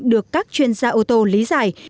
được các chuyên gia ô tô lý giải